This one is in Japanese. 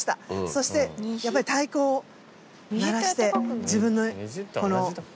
そしてやっぱり太鼓を鳴らして。